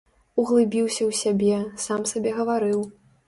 Углыбіўся ў сябе, сам сабе гаварыў.